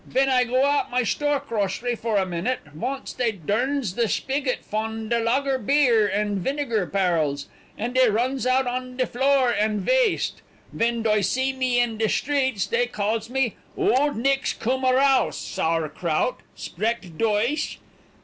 Ven I go out my shtore crocery for a minute, vonce dey durns de shpiggot fon de lager bier and vinegar parrells, and dey runs out in de floor and vaste; ven doy see me in de shtreets dey calls me '_Old nicht's cum araus, sour kraut, sprech Deutsch.